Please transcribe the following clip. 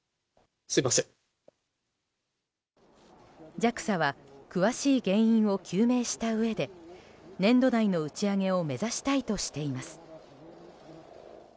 ＪＡＸＡは詳しい原因を究明したうえで年度内の打ち上げを目指したいとしています。